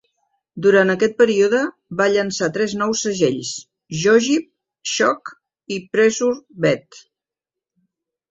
Durant aquest període va llançar tres nous segells: Jogib, Shock i Pressure Beat.